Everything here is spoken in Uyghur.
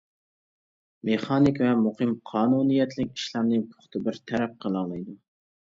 مېخانىك ۋە مۇقىم قانۇنىيەتلىك ئىشلارنى پۇختا بىر تەرەپ قىلالايدۇ.